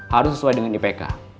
harus sesuai dengan ipk